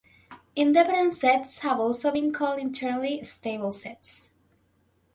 Independent sets have also been called internally stable sets.